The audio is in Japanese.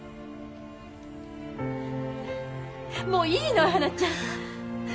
もういいのはなちゃん。